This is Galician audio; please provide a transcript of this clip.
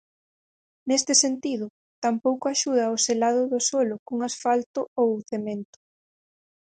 Neste sentido, tampouco axuda o selado do solo con asfalto ou cemento.